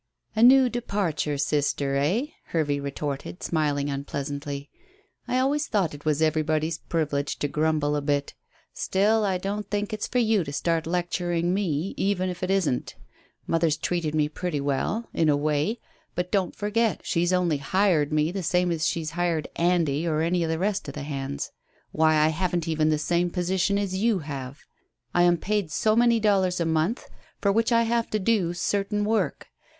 "A new departure, sister, eh?" Hervey retorted, smiling unpleasantly. "I always thought it was everybody's privilege to grumble a bit. Still, I don't think it's for you to start lecturing me if even it isn't. Mother's treated me pretty well in a way. But don't forget she's only hired me the same as she's hired Andy, or any of the rest of the hands. Why, I haven't even the same position as you have. I am paid so many dollars a month, for which I have to do certain work.